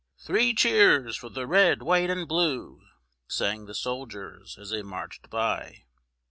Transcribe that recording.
"Three cheers for the red, white and blue!" sang the soldiers as they marched by.